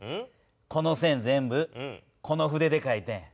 この線全部この筆でかいてん。